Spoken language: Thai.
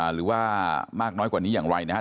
หรือว่ามากน้อยกว่านี้อย่างไรนะครับ